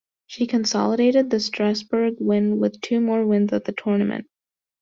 She consolidated the Strasbourg win with two more wins at the tournament.